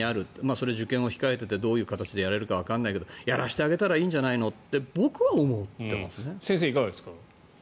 それは受験を控えていてどういう形でやれるかわからないけどやらせてあげたらいいんじゃないのって僕は思っていますね。